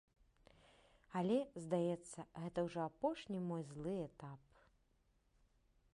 Але, здаецца, гэта ўжо апошні мой злы этап.